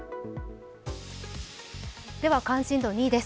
関心度２位です。